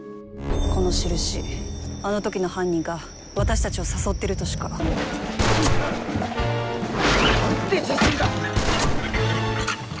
この印あの時の犯人が私たちを誘ってるとしか。なんてじじいだ！